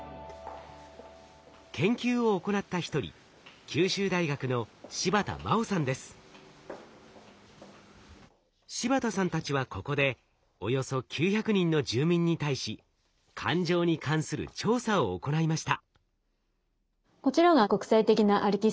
研究を行った一人柴田さんたちはここでおよそ９００人の住民に対し感情に関する調査を行いました。